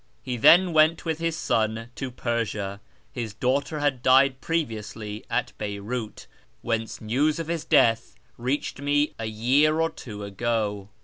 He then went with his son to Persia (his daughter had died previously at Beyrout), whence news of his death reached me a year or two ago.